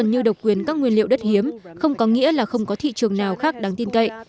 như độc quyền các nguyên liệu đất hiếm không có nghĩa là không có thị trường nào khác đáng tin cậy